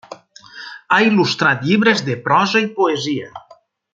Ha il·lustrat llibres de prosa i poesia.